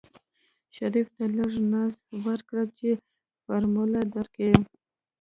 شريف ته لږ ناز ورکه چې فارموله درکي.